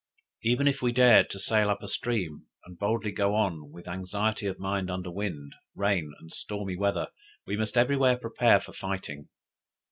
Even if we dared to sail up a stream and boldly go on with anxiety of mind under wind, rain, and stormy weather, we must everywhere prepare for fighting.